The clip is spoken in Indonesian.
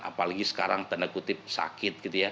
apalagi sekarang tanda kutip sakit gitu ya